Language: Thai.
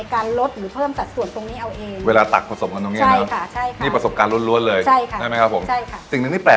อย่าหวัยทิศที่เราทำมา